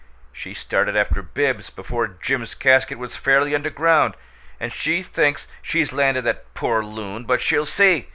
She started after Bibbs before Jim's casket was fairly underground, and she thinks she's landed that poor loon but she'll see!